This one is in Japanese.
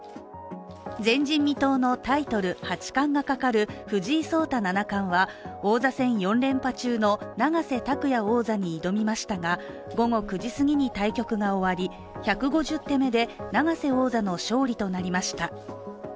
前人未到のタイトル八冠がかかる藤井聡太七冠は王座戦４連覇中の永瀬拓矢王座に挑みましたが午後９時すぎに対局が終わり１５０手目で永瀬王座の勝利となりました。